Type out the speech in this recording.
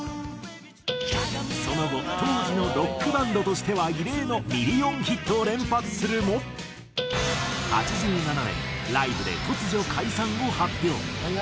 その後当時のロックバンドとしては異例のミリオンヒットを連発するも８７年ライブで突如解散を発表。